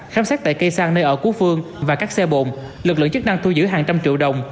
khám sát tại cây xăng nơi ở cú phương và các xe bộn lực lượng chức năng thu giữ hàng trăm triệu đồng